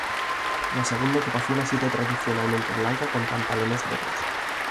La segunda equipación ha sido tradicionalmente blanca con pantalones negros.